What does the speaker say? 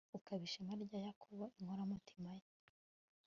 ukaba ishema rya yakobo, inkoramutima ye. (guceceka akanya gato